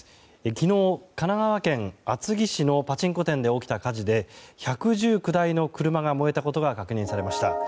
昨日、神奈川県厚木市のパチンコ店で起きた火事で１１９台の車が燃えたことが確認されました。